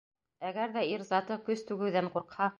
Әгәр ҙә ир заты көс түгеүҙән ҡурҡһа